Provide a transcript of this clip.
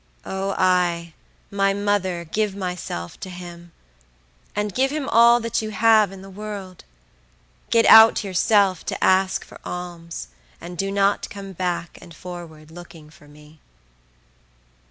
O, aya! my mother, give myself to him; and give him all that you have in the world; get out yourself to ask for alms, and do not come back and forward looking for me.